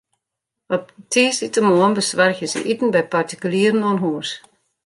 Op tiisdeitemoarn besoargje se iten by partikulieren oan hûs.